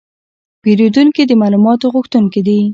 پیرودونکي د معلوماتو غوښتونکي دي.